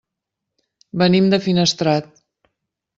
Venim de Finestrat.